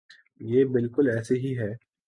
یہ بالکل ایسے ہی ہے۔